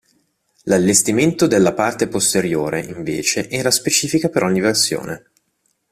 L'allestimento della parte posteriore invece era specifica per ogni versione.